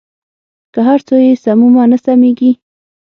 که هر څو یې سمومه نه سمېږي.